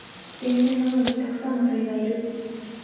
電線の上にたくさんの鳥がいる。